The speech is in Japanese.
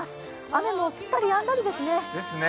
雨も降ったりやんだりですね。